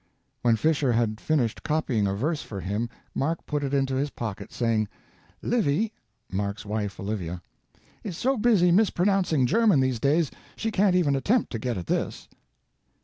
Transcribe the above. When Fisher had finished copying a verse for him Mark put it into his pocket, saying, "Livy [Mark's wife, Olivia] is so busy mispronouncing German these days she can't even attempt to get at this."